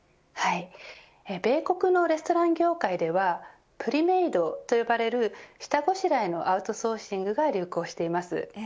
米国のレストラン業界ではプリメイドと呼ばれる下ごしらえのアウトソーシングが流行しています。